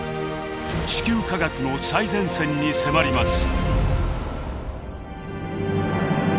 地球科学の最前線に迫ります。